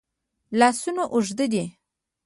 لاسونه اوږد دي.